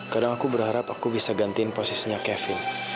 kadang aku berharap aku bisa gantiin posisinya kevin